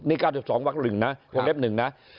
นี่๙๒วัก๑นะวงเล็บ๑นะ